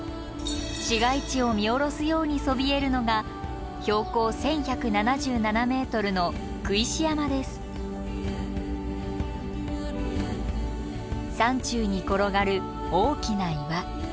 市街地を見下ろすようにそびえるのが山中に転がる大きな岩。